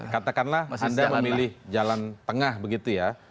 katakanlah anda memilih jalan tengah begitu ya